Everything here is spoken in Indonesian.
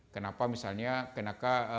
kenapa misalnya kenapa